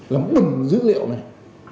làm bừng dữ liệu này